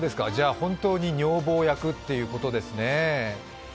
本当に女房役ということですね。